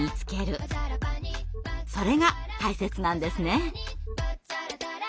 それが大切なんですね。